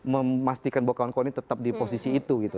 memastikan bahwa kawan kawan ini tetap di posisi itu gitu